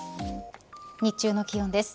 日中の気温です。